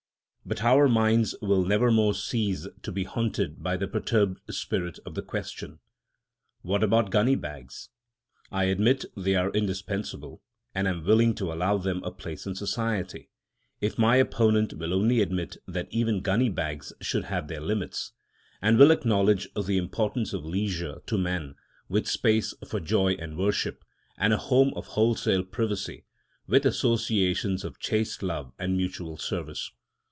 But our minds will nevermore cease to be haunted by the perturbed spirit of the question, "What about gunny bags?" I admit they are indispensable, and am willing to allow them a place in society, if my opponent will only admit that even gunny bags should have their limits, and will acknowledge the importance of leisure to man, with space for joy and worship, and a home of wholesale privacy, with associations of chaste love and mutual service.